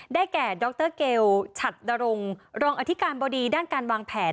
แก่ดรเกลฉัดดรงรองอธิการบดีด้านการวางแผน